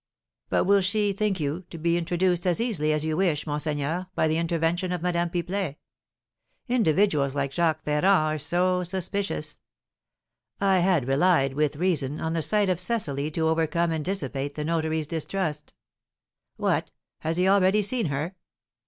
"But will she, think you, be introduced as easily as you wish, monseigneur, by the intervention of Madame Pipelet? Individuals like Jacques Ferrand are so suspicious." "I had relied, with reason, on the sight of Cecily to overcome and dissipate the notary's distrust." "What! Has he already seen her?"